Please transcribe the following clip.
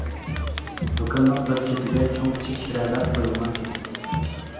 دۇكاننىڭ بىر چېتىگە چوڭ-كىچىك شىرەلەر قويۇلغان ئىدى.